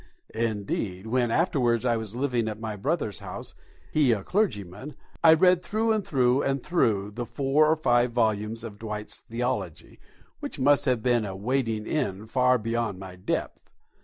Indeed, when afterwards I was living at my brothers' house, he a clergyman, I read through and through and through the four or five volumes of Dwight's "Theology," which must have been a wading in far beyond my depth.